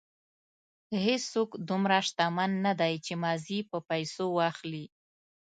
هېڅوک دومره شتمن نه دی چې ماضي په پیسو واخلي.